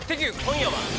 今夜は。